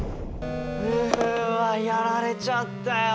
うわやられちゃったよ！